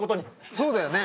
そうだよね。